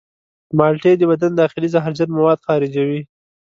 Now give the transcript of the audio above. مالټې د بدن داخلي زهرجن مواد خارجوي.